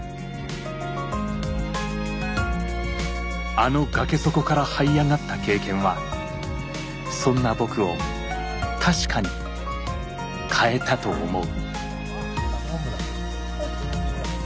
あの崖底からはい上がった経験はそんな僕を確かに変えたと思う。